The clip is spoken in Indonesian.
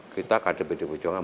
kita pada pd perjuangan